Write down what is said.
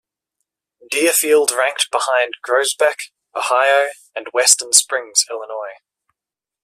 Deerfield ranked behind Groesbeck, Ohio, and Western Springs, Illinois.